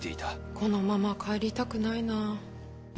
このまま帰りたくないな。